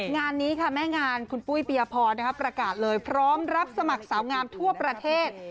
งานนี้ค่ะแม่งานคุณปุ้ยปียพรประกาศเลยพร้อมรับสมัครสาวงามทั่วประเทศ